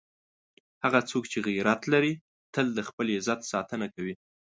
هغه څوک چې غیرت لري، تل د خپل عزت ساتنه کوي.